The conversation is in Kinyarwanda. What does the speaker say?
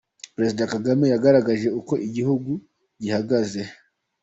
Perezida Kagame yagaragaje uko igihugu gihagaze